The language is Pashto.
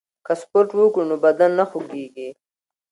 که سپورت وکړو نو بدن نه خوږیږي.